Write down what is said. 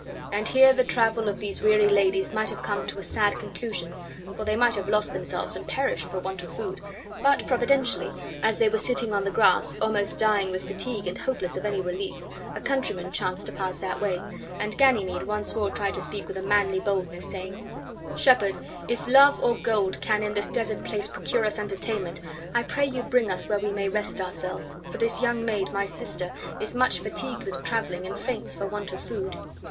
And here the travel of these weary ladies might have come to a sad conclusion, for they might have lost themselves and perished for want of food, but, providentially, as they were sitting on the grass, almost dying with fatigue and hopeless of any relief, a countryman chanced to pass that way, and Ganymede once more tried to speak with a manly boldness, saying: "Shepherd, if love or gold can in this desert place procure us entertainment, I pray you bring us where we may rest ourselves; for this young maid, my sister, is much fatigued with traveling, and faints for want of food."